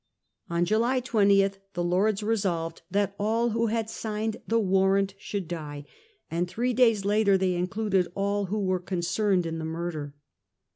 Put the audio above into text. On July 20 the Lords resolved that all who had signed the warrant should die ; and three days later they included 'all who were con cerned' in the murder.